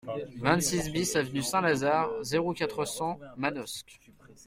vingt-six BIS avenue Saint-Lazare, zéro quatre, cent, Manosque